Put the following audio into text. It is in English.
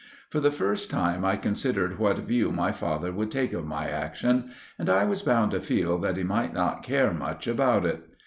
For the first time I considered what view my father would take of my action, and I was bound to feel that he might not care much about it.